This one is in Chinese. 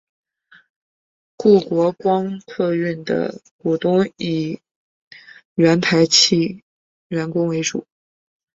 故国光客运的股东以原台汽员工为主。